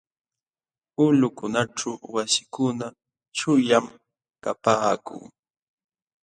Ulqukunaćhu wasikuna chuqllam kapaakun.